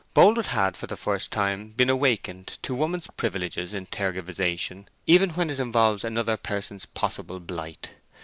Boldwood had for the first time been awakened to woman's privileges in tergiversation even when it involves another person's possible blight.